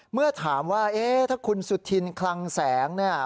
เมื่อถามว่าเอ๊ะถ้าคุณสุธินคลังแสงเนี่ย